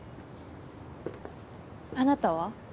あなたは？